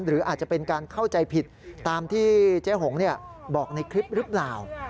หรืออาจจะเป็นการเข้าใจผิดตามที่เจ๊หงบอกในคลิปหรือเปล่า